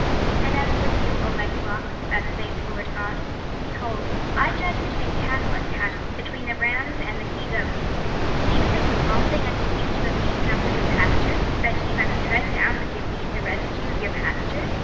26:034:017 And as for you, O my flock, thus saith the Lord GOD; Behold, I judge between cattle and cattle, between the rams and the he goats. 26:034:018 Seemeth it a small thing unto you to have eaten up the good pasture, but ye must tread down with your feet the residue of your pastures?